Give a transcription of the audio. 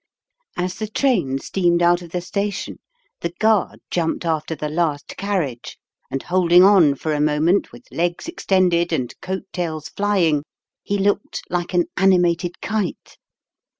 As the train steamed out of the station the guard jumped after the last carriage, and holding on for a moment with legs extended and coat tails flying, he looked like an animated kite.